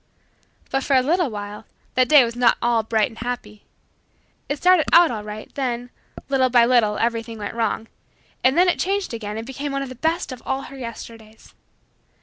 But, for a little while, that day was not at all bright and happy. It started out all right then, little by little, everything went wrong; and then it changed again and became one of the best of all her Yesterdays.